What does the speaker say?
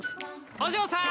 お嬢さん！